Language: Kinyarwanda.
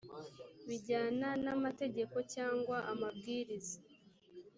bijyana n amategeko cyangwa amabwiriza